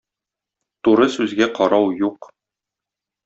Туры сүзгә карау юк.